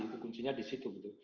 itu kuncinya di situ